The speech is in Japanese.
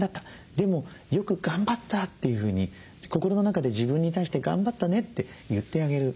でもよく頑張ったというふうに心の中で自分に対して「頑張ったね」って言ってあげる。